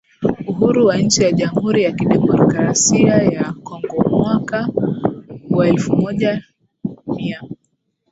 uhuru wa nchi ya Jamhuri ya Kidemokrasia ya KongoMwaka wa elfu moja mia